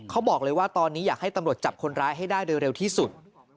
เขาบอกเลยว่าตอนนี้อยากให้ตำรวจจับคนร้ายให้ได้โดยเร็วที่สุด